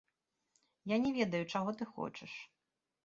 Я не ведаю, чаго ты хочаш.